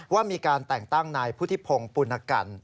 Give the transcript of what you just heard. ว่ามีการแต่งตั้งนายพุทธิพงศ์ปุณกัน